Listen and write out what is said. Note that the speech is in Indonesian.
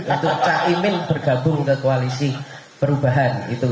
untuk cak imin bergabung ke koalisi perubahan itu